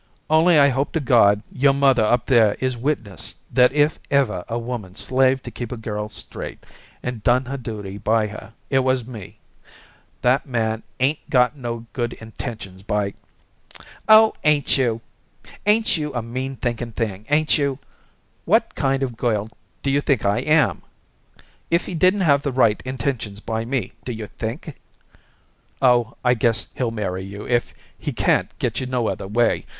Only I hope to God your mother up there is witness that if ever a woman slaved to keep a girl straight and done her duty by her it was me. That man 'ain't got no good intentions by " "Oh, ain't you ain't you a mean thinking thing, ain't you? What kind of a girl do you think I am? If he didn't have the right intentions by me do you think " "Oh, I guess he'll marry you if he can't get you no other way.